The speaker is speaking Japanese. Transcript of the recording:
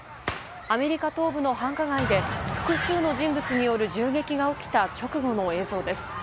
アメリカ東部の繁華街で複数の人物による銃撃が起きた直後の映像です。